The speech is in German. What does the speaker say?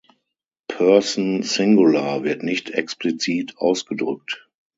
Person Singular wird nicht explizit ausgedrückt.